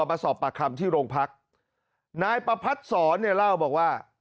มาสอบปากคำที่โรงพักนายประพัดศรเนี่ยเล่าบอกว่า